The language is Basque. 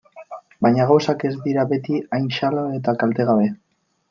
Baina gauzak ez dira beti hain xalo eta kaltegabe.